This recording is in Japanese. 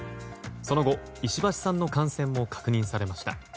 その後、石橋さんの感染も確認されました。